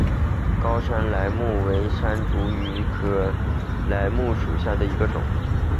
高山梾木为山茱萸科梾木属下的一个种。